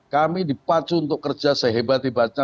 kami dipacu untuk kerja sehebat hebatnya